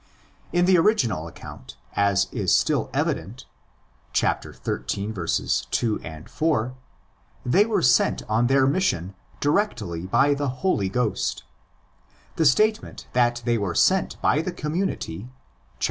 In the original account, as is still evident (xiii. 2, 4), they were sent on their mission directly by the Holy Ghost. The statement that they were sent by the community (xiii.